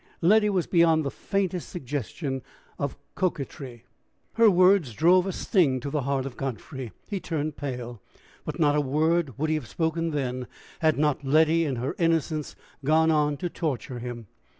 Letty was beyond the faintest suggestion of coquetry. Her words drove a sting to the heart of Godfrey. He turned pale. But not a word would he have spoken then, had not Letty in her innocence gone on to torture him.